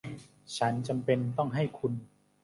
ฉันจำเป็นต้องให้คุณ